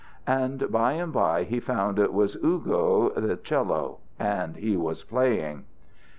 And by and by he found it was "Ugo," the 'cello, and he was playing.